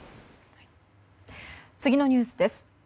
次のニュースです。